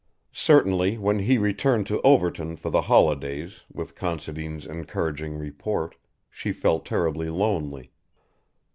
Certainly when he returned to Overton for the holidays with Considine's encouraging report, she felt terribly lonely.